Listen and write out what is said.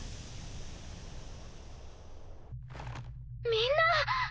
みんな！